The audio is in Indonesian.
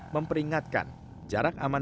memperingatkan jarak aman